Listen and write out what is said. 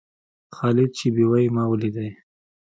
خالد چې بېوى؛ ما وليدئ.